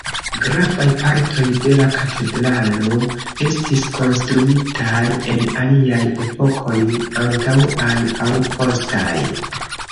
Gravaj partoj de la katedralo estis konstruitaj en aliaj epokoj antaŭaj aŭ postaj.